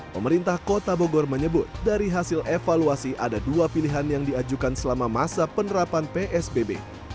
pemerintah kota bogor menyebut dari hasil evaluasi ada dua pilihan yang diajukan selama masa penerapan psbb